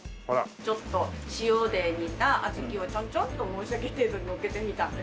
ちょっと塩で煮たあずきをちょんちょんと申し訳程度にのっけてみたんです。